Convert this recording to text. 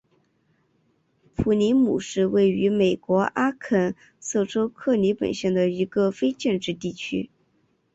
普里姆是位于美国阿肯色州克利本县的一个非建制地区。